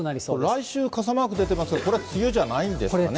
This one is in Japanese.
来週、傘マーク出てますが、これ、梅雨じゃないんですかね。